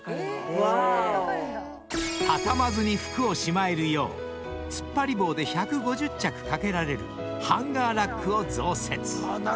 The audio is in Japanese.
［畳まずに服をしまえるよう突っ張り棒で１５０着掛けられるハンガーラックを増設］